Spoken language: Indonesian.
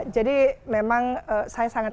jadi memang saya sangat